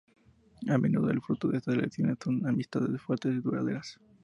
A menudo, el fruto de estas relaciones son amistades fuertes y duraderas.